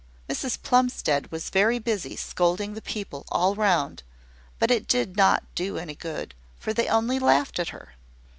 Mrs Plumstead was very busy scolding the people all round; but it did not do any good, for they only laughed at her.